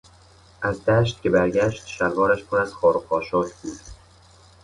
از دشت که برگشت شلوارش پر از خار و خاشاک بود.